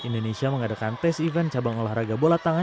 indonesia mengadakan tes event cabang olahraga bola tangan